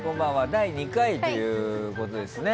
第２回ということですね。